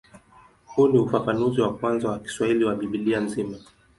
Huu ni ufafanuzi wa kwanza wa Kiswahili wa Biblia nzima.